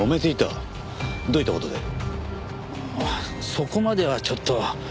そこまではちょっと。